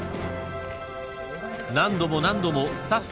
［何度も何度もスタッフを相手に］